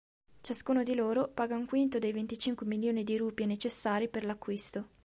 Ciascuno di loro paga un quinto dei venticinque milioni di rupie necessari per l'acquisto.